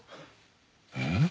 うん？